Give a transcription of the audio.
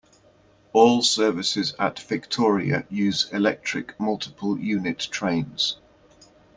All services at Victoria use electric multiple unit trains.